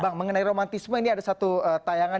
bang mengenai romantisme ini ada satu tayangan